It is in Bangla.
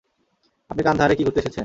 আপনি কান্দাহারে কি ঘুরতে এসেছেন?